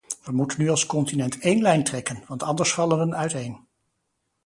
We moeten nu als continent één lijn trekken, want anders vallen we uiteen.